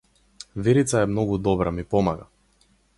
Верица е многу добра ми помага.